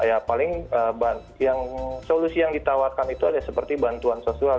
ya paling yang solusi yang ditawarkan itu ada seperti bantuan sosial